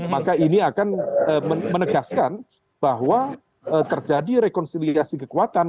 maka ini akan menegaskan bahwa terjadi rekonsiliasi kekuatan